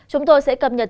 chúng tôi sẽ cập nhật